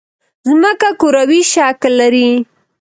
ځمکه کوروي شکل لري